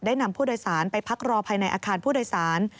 นำผู้โดยสารไปพักรอภายในอาคารผู้โดยสาร